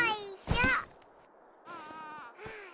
うん。